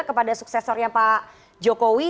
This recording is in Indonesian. kepada suksesornya pak jokowi